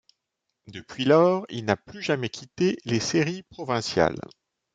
Depuis lors, il n'a plus jamais quitté les séries provinciales.